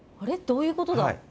どういうことだ？